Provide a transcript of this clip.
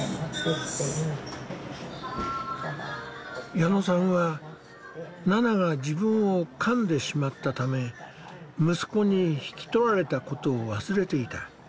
矢野さんはナナが自分をかんでしまったため息子に引き取られたことを忘れていた。